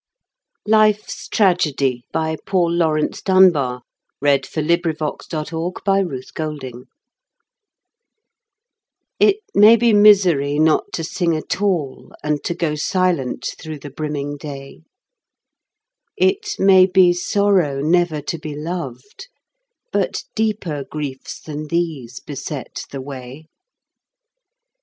bar — Life's TragedyPaul Laurence Dunbar LIFE'S TRAGEDY It may be misery not to sing at all And to go silent through the brimming day. It may be sorrow never to be loved, But deeper griefs than these beset the way.